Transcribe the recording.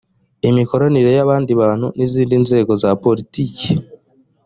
imikoranire y abandi bantu n izindi nzego za politike